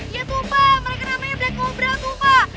iya sumpah mereka namanya black cobra sumpah